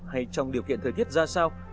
hay trong điều kiện thời tiết ra sao